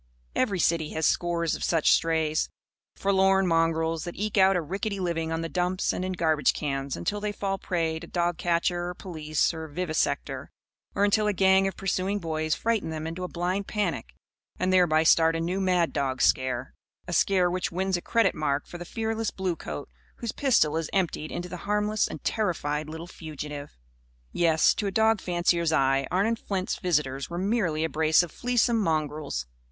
Every city has scores of such strays forlorn mongrels that eke out a rickety living on the dumps and in garbage cans until they fall prey to dogcatcher or police or vivisector, or until a gang of pursuing boys frighten them into a blind panic and thereby start a new mad dog scare, a scare which wins a credit mark for the fearless bluecoat whose pistol is emptied into the harmless and terrified little fugitive. Yes, to a dog fancier's eye, Arnon Flint's visitors were merely a brace of fleasome mongrels.